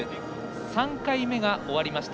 ３回目が終わりました。